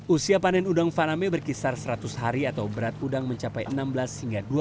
usia panen udang faname berkisar seratus hari atau berat udang mencapai enam belas hingga dua puluh